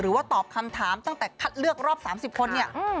หรือว่าตอบคำถามตั้งแต่คัดเลือกรอบ๓๐คน